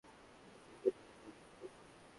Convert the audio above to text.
এ থেকে মনে পড়ল একটা কথা।